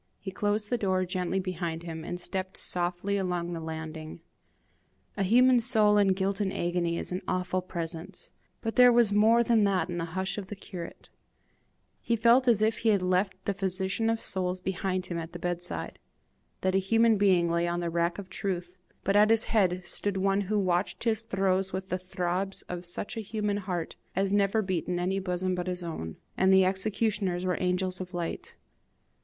He closed the door gently behind him, and stepped softly along the landing. A human soul in guilt and agony is an awful presence, but there was more than that in the hush of the curate: he felt as if he had left the physician of souls behind him at the bedside; that a human being lay on the rack of the truth, but at his head stood one who watched his throes with the throbs of such a human heart as never beat in any bosom but his own, and the executioners were angels of light.